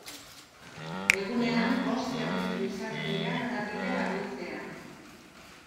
Egunean bost zerbitzu izaten dira norabide bakoitzean.